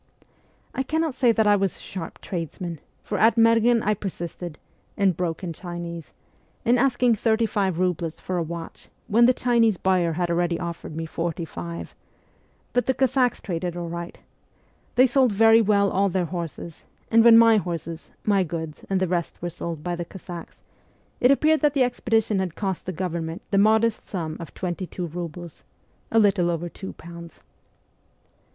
I cannot say that I was a sharp tradesman, for at Merghen I persisted (in broken Chinese) in asking thirty five roubles for a watch when the Chinese buyer had already offered me forty five; but the Cossacks traded all right. They sold very well all their horses, and when my horses, my goods, and the rest were sold by the Cossacks it appeared that the expedition had cost the government the modest sum of twenty two roubles a little over two pounds.